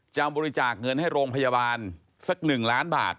บริจาคเงินให้โรงพยาบาลสัก๑ล้านบาท